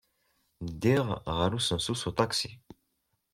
Ddiɣ ɣer usensu s uṭaksi.